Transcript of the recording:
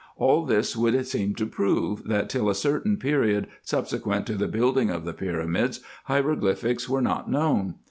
All this would seem to prove, that till a certain period subsequent to the building of the pyramids hieroglyphics were not known.